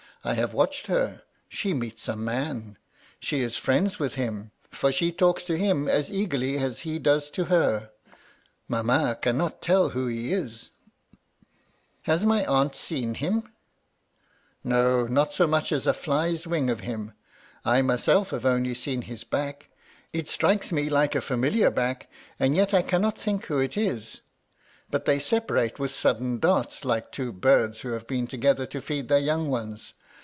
I have watched her. She meets a man — she is friends with him, for MY LADY LUDLOW. 151 she talks to him as eagerly as he does to her — ^mamma cannot tell who he is/ "* Has my aunt seen him ?'"' No, not so much as a fly's wing of him. I myself have only seen his back. It strikes me like a familiar back, and yet I cannot think who it is. But they separate with sudden darts, like two birds who have been together to feed their young ones.